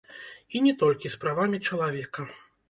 І не толькі з правамі чалавека.